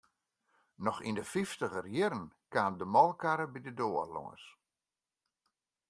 Noch yn 'e fyftiger jierren kaam de molkekarre by de doar lâns.